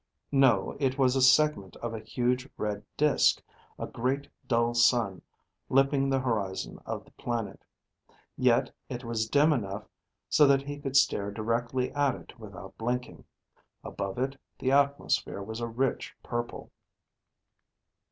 No, it was a segment of a huge red disk, a great dull sun lipping the horizon of the planet. Yet it was dim enough so that he could stare directly at it without blinking. Above it, the atmosphere was a rich purple.